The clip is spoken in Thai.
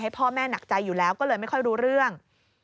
พ่อแม่หนักใจอยู่แล้วก็เลยไม่ค่อยรู้เรื่อง